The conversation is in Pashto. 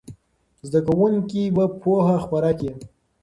زده کوونکي به پوهه خپره کړي.